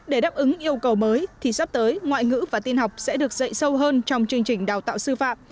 để đáp ứng yêu cầu mới thì sắp tới ngoại ngữ và tin học sẽ được dạy sâu hơn trong chương trình đào tạo sư phạm